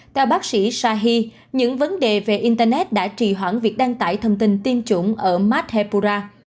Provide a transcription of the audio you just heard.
theo bác sĩ shahi những vấn đề về internet đã trì hoãn việc đăng tải thông tin tiêm chủng ở madhepura